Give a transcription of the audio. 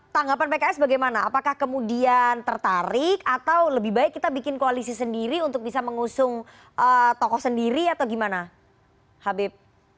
tanggapan pks bagaimana apakah kemudian tertarik atau lebih baik kita bikin koalisi sendiri untuk bisa mengusung tokoh sendiri atau gimana habib